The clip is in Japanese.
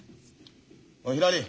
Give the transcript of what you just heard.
おいひらり。